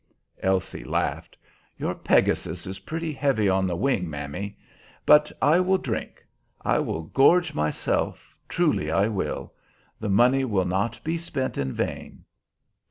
Elsie laughed. "Your Pegasus is pretty heavy on the wing, mammy. But I will drink. I will gorge myself, truly I will. The money shall not be spent in vain."